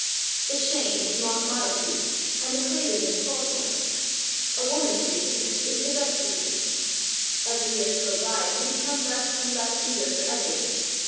The shame is mock modesty; and the craving is a false one. A woman's reason is the best reason. As the years go by, we become less and less eager for evidence.